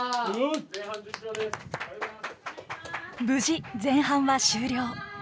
無事前半は終了。